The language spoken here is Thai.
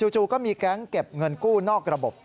จู่ก็มีแก๊งเก็บเงินกู้นอกระบบ